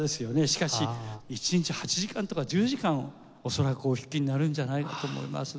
しかし１日８時間とか１０時間恐らくお弾きになるんじゃないかと思います。